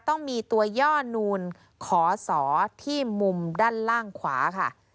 ต้องมีตัวย่อนูนขอสอที่มุมด้านล่างขวาค่ะ